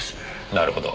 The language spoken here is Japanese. なるほど。